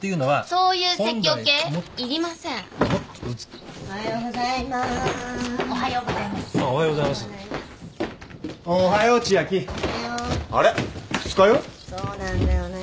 そうなんだよね。